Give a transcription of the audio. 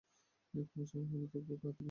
কুমারসভা মানেই তো কার্তিকের সভা।